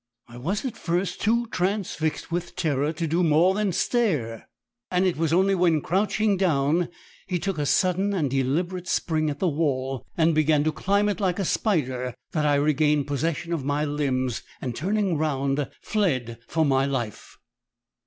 I was at first too transfixed with terror to do more than stare, and it was only when, crouching down, he took a sudden and deliberate spring at the wall and began to climb it like a spider, that I regained possession of my limbs, and turning round, fled for my life.